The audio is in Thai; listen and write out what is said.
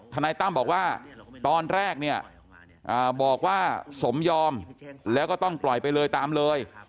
นายตั้มบอกว่าตอนแรกเนี่ยบอกว่าสมยอมแล้วก็ต้องปล่อยไปเลยตามเลย